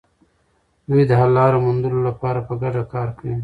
دوی د حل لارو موندلو لپاره په ګډه کار کوي.